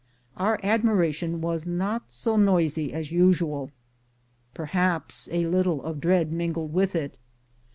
Our admiration was not so noisy as usual. Perhaps a little of dread mingled with it.